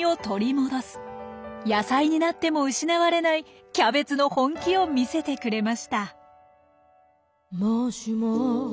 野菜になっても失われないキャベツの本気を見せてくれました。